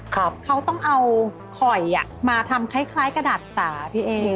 ครับเขาต้องเอาข่อยมาทำคล้ายกระดาษสาพี่เอ